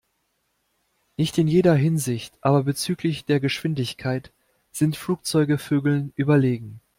Nicht in jeder Hinsicht, aber bezüglich der Geschwindigkeit sind Flugzeuge Vögeln überlegen.